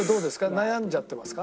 悩んじゃってますか？